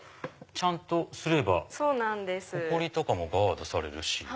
ちゃんとすればほこりとかもガードされるし。